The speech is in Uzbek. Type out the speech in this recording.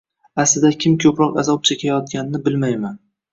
Aslida kim ko'proq azob chekayotganini bilmayman